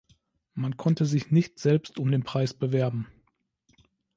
Man konnte sich nicht selbst um den Preis bewerben.